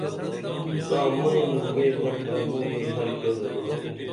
تاں مئی موں بئیں دڇھن موں کی ہر کیہ درو